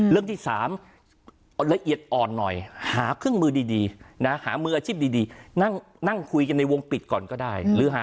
เรื่องที่๓ละเอียดอ่อนหน่อยหาเครื่องมือดีนะหามืออาชีพดีนั่งคุยกันในวงปิดก่อนก็ได้หรือหา